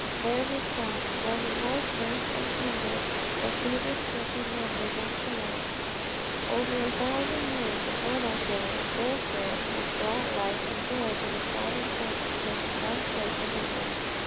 There he slept while his wife nursed and tended the fever stricken Neville back to life. Over a thousand years before that day Wilfrid had brought life and joy to the starving Saxons of the South coast of England.